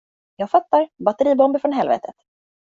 Jag fattar, batteribomber från helvetet.